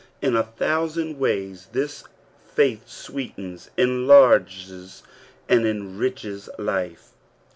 In a thousand ways faith sweetens, enlarges, and enriches life.